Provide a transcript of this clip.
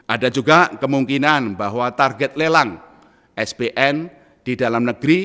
ada juga kemungkinan bahwa target lelang spn di dalam negeri